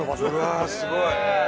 うわあすごい。